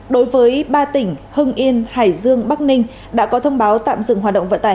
đối với ba tỉnh hưng yên hải dương bắc ninh đã có thông báo tạm dừng hoạt động vận tải